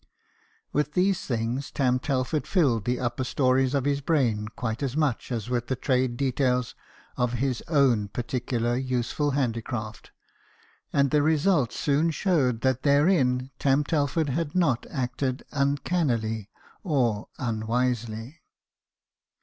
With these things Tarn Telford filled the upper stories of THOMAS TELFORD, STONEMASON. n his brain quite as much as with the trade details of his own particular useful handicraft ; and the result soon showed that therein Tarn Telford had not acted uncannily or unwisely.